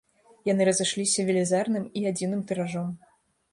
Яны разышліся велізарным і адзіным тыражом.